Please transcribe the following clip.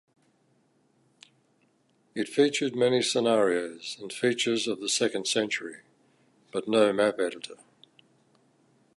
It featured many scenarios and features of "The Second Century", but no map editor.